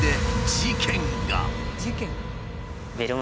事件？